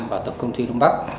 và tổng công ty đông bắc